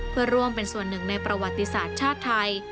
เพื่อร่วมเป็นส่วนหนึ่งในประวัติศาสตร์ชาติไทย